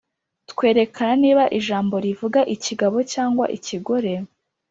Twerekana niba ijambo rivuga ikigabo cyangwa ikigore,